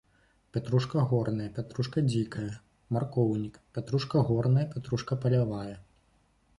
Пятрушка горная, пятрушка дзікая, маркоўнік, пятрушка горная, пятрушка палявая.